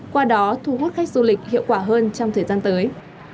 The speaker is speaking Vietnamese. qua đó thu hút khách du lịch hiệu quả hơn trong thời gian tới